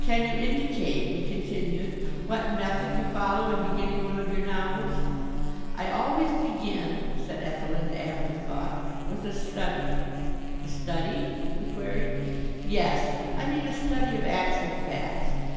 "Can you indicate," we continued, "what method you follow in beginning one of your novels?" "I always begin," said Ethelinda Afterthought, "with a study." "A study?" we queried. "Yes. I mean a study of actual facts.